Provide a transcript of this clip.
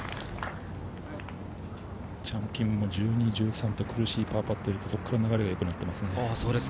チャン・キムも１２、１３と苦しいパーパットを入れて、そこから流れが良くなっています。